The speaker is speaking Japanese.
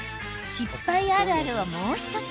失敗あるあるをもう１つ。